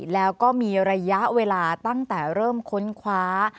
แล้วก็มีระยะเวลาตั้งแต่เริ่มค้นคว้า